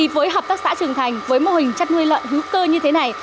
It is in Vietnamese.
với hợp tác xã trường thành với mô hình chăn nuôi lợn hữu cơ như thế này